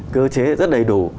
cơ chế rất đầy đủ